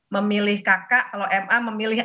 memilih kakak kalau ma memilih